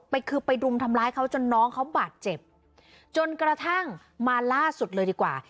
ไปคือไปรุมทำร้ายเขาจนน้องเขาบาดเจ็บจนกระทั่งมาล่าสุดเลยดีกว่า